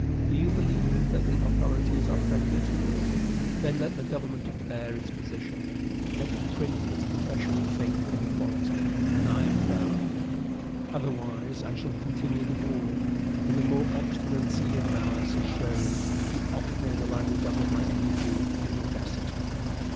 Do you believe that the authorities are friendly to us? Then let the government declare its position; let it print its profession of faith in equality, and I am dumb. Otherwise, I shall continue the war; and the more obstinacy and malice is shown, the oftener will I redouble my energy and audacity.